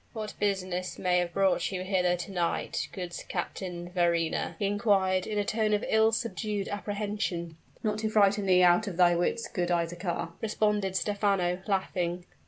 "What business may have brought you hither to night, good Captain Verrina?" he inquired in a tone of ill subdued apprehension. "Not to frighten thee out of thy wits, good Isaachar," responded Stephano, laughing.